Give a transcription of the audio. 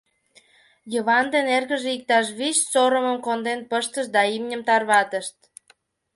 Йыван ден эргыже иктаж вич сорымым конден пыштышт да имньым тарватышт.